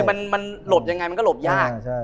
มันหลบยังไงมันก็หลบยาก